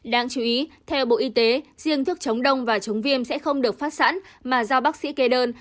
đáng chú ý theo bộ y tế riêng thuốc chống đông và chống viêm sẽ không được phát sẵn mà do bác sĩ kê đơn